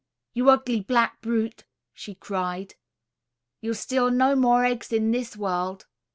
"You ugly black brute," she cried; "you'll steal nae mair eggs in this warld."